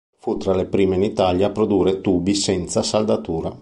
Fu tra le prime in Italia a produrre tubi senza saldatura.